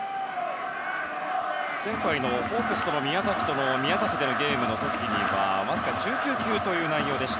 前回、ホークスとの宮崎でのゲームの時にはわずか１９球という内容でした。